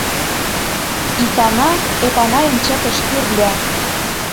Икана Эпанайын чытыш кӱрльӧ.